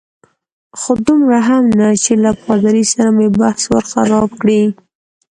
خو دومره هم نه چې له پادري سره مې بحث ور خراب کړي.